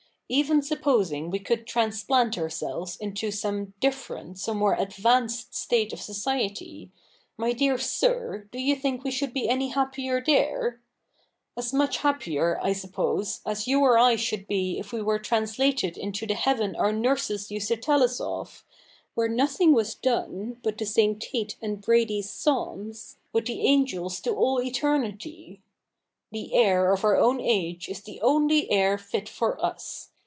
Even supposing we could transplant ourselves into some different, some more advanced state of society, my dear sir, do you think we should be any happier there ? As much happier, I suppose, as you or I should be if we were translated into the heaven our nurses used to tell us of, where nothing was done but to sing Tate and Brady's psalms with the angels to all eternity. The air of our own age is the only air fit for us.